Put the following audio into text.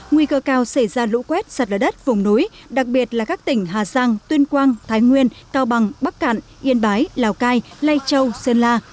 nguy cơ cao xảy ra lũ quét sạt lở đất vùng núi đặc biệt là các tỉnh hà giang tuyên quang thái nguyên cao bằng bắc cạn yên bái lào cai lây châu sơn la